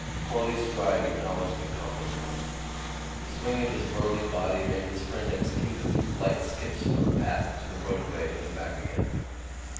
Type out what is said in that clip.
Corley's stride acknowledged the compliment. The swing of his burly body made his friend execute a few light skips from the path to the roadway and back again.